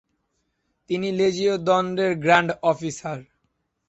তিনি লেজিওঁ দনরের grand officer.